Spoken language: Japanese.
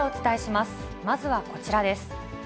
まずはこちらです。